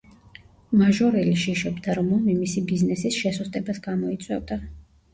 მაჟორელი შიშობდა, რომ ომი მისი ბიზნესის შესუსტებას გამოიწვევდა.